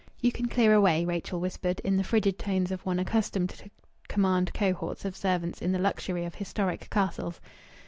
"You can clear away," Rachel whispered, in the frigid tones of one accustomed to command cohorts of servants in the luxury of historic castles.